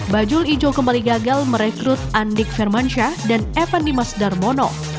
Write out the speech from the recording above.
bajul ijo kembali gagal merekrut andik firmansyah dan evan dimas darmono